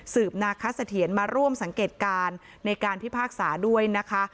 นาคสะเทียนมาร่วมสังเกตการณ์ในการพิพากษาด้วยนะคะ